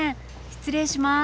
失礼します。